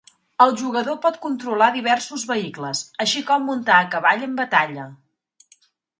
El jugador pot controlar diversos vehicles, així com muntar a cavall en batalla.